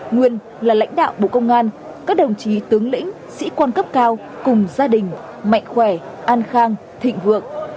nguyên là lãnh đạo bộ công an các đồng chí tướng lĩnh sĩ quan cấp cao cùng gia đình mạnh khỏe an khang thịnh vượng